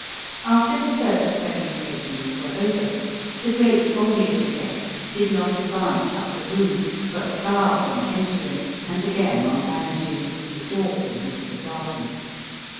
After the first presentations were over the great body of the guests did not advance up the room, but bowed on entering and again on vanishing through the doorway into the garden.